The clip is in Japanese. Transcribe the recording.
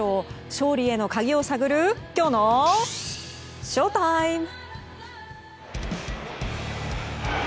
勝利への鍵を探るきょうのＳＨＯＴＩＭＥ！